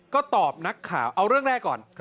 ก็ตอบนักข่าวเอาเรื่องแรกก่อน